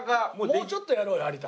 もうちょっとやろうよ有田。